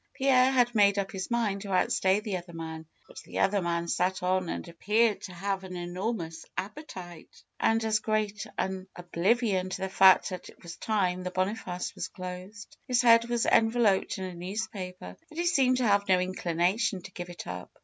Pierre had made up his mind to outstay the other man. But the other man sat on and appeared to have an enormous appetite, and as great an oblivion to the fact that it was time the Boniface was closed. His head was enveloped in a news paper, and he seemed to have no inclination to give it up.